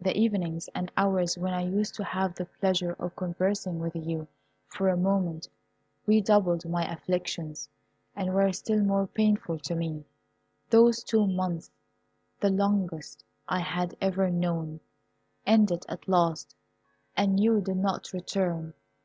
The evenings and hours when I used to have the pleasure of conversing with you for a moment, redoubled my afflictions, and were still more painful to me. Those two months, the longest I had ever known, ended at last, and you did not return.